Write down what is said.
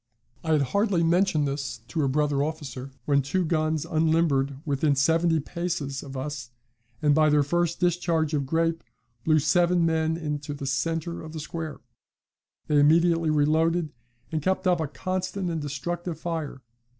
I had hardly mentioned this to a brother officer when two guns unlimbered within seventy paces of us, and, by their first discharge of grape, blew seven men into the centre of the square. They immediately reloaded, and kept up a constant and destructive fire.